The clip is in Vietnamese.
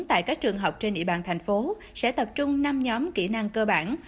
tại các trường học trên địa bàn thành phố sẽ tập trung năm nhóm kỹ năng cơ bản